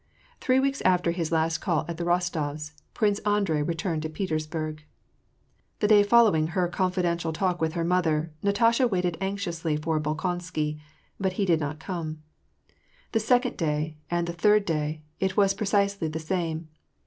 Three weeks after his last call at the Rostofs', Prince Andrei returned to Petersburg. The day following her confidential talk with her mother, Natasha waited anxiously for Bolkonsky ; but he did not come. The second day, and the third day, it was precisely the same.